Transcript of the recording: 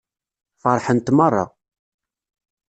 Feṛḥent meṛṛa.